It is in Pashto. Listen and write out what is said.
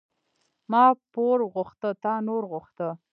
ما پور غوښته، تا نور غوښته.